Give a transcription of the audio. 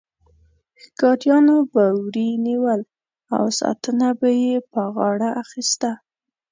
ښکاریانو به وري نیول او ساتنه یې په غاړه اخیسته.